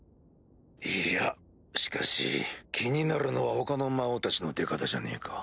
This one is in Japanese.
いやしかし気になるのは他の魔王たちの出方じゃねえか？